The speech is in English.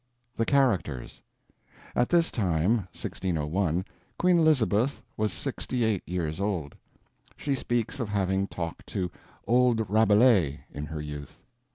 THE CHARACTERS At this time (1601) Queen Elizabeth was 68 years old. She speaks of having talked to "old Rabelais" in her youth.